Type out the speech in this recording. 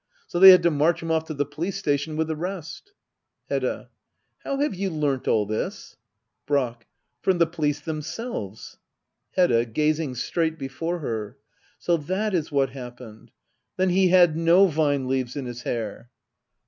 So they had to march him off to the police station with the rest. Hedda. How have you learnt all this ? Brack. From the police themselves. Hedda. [Gazing straight before her,] So that is what happened. Then he had no vine leaves in his hair.